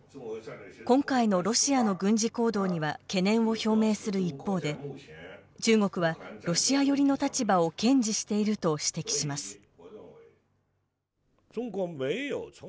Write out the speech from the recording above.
今回のロシアの軍事行動には懸念を表明する一方で中国はロシア寄りの立場を堅持していると指摘します。